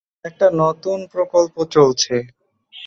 একটা নতুন প্রকল্প চলছে।